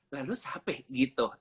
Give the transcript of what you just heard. lalu sampai gitu